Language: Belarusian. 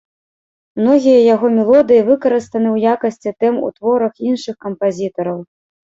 Многія яго мелодыі выкарыстаны ў якасці тэм у творах іншых кампазітараў.